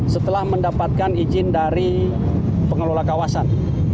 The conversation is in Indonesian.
setelah mendapatkan izin dari pengelola kawasan